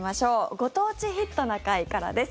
「ご当地ヒットな会」からです。